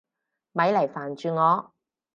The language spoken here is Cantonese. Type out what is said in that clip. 咪嚟煩住我！